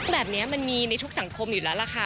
แบบนี้มันมีในทุกสังคมอยู่แล้วล่ะค่ะ